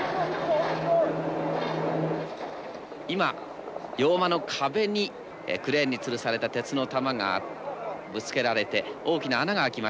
今洋間の壁にクレーンにつるされた鉄の球がぶつけられて大きな穴が開きましたね。